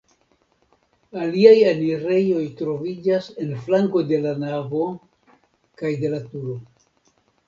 Aliaj enirejoj troviĝas en flanko de la navo kaj ĉe la turo.